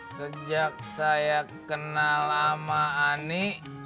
sejak saya kenal lama ani